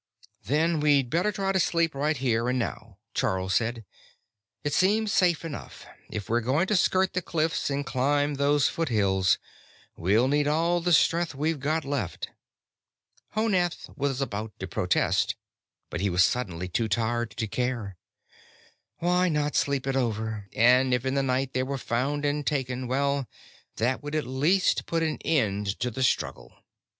"Then we'd better try to sleep right here and now," Charl said. "It seems safe enough. If we're going to skirt the cliffs and climb those foothills, we'll need all the strength we've got left." Honath was about to protest, but he was suddenly too tired to care. Why not sleep it over? And if in the night they were found and taken well, that would at least put an end to the struggle.